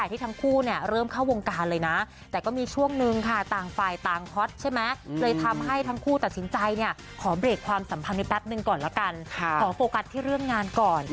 สำคัญแป๊บหนึ่งก่อนแล้วกันขอโฟกัสที่เรื่องงานก่อน